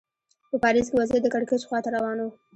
په پاریس کې وضعیت د کړکېچ خوا ته روان و.